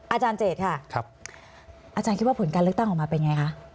อาจารย์เจตค่ะอาจารย์คิดว่าผลการเลือกตั้งออกมาเป็นไงคะ